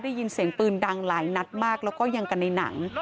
ได้ยินเสียงปืนดังหลายนัดมากแล้วก็ยังกันในหนัง